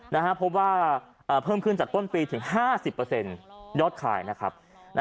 เพราะว่าเพิ่มขึ้นจากต้นปีถึง๕๐ยอดขายนะครับ